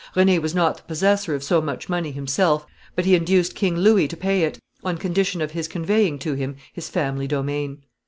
René was not the possessor of so much money himself, but he induced King Louis to pay it, on condition of his conveying to him his family domain.